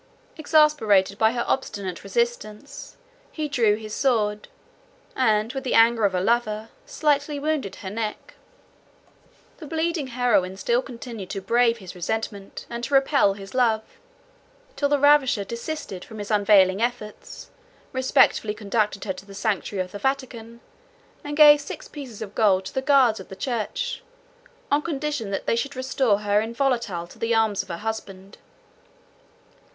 Exasperated by her obstinate resistance, he drew his sword, and, with the anger of a lover, slightly wounded her neck. The bleeding heroine still continued to brave his resentment, and to repel his love, till the ravisher desisted from his unavailing efforts, respectfully conducted her to the sanctuary of the Vatican, and gave six pieces of gold to the guards of the church, on condition that they should restore her inviolate to the arms of her husband.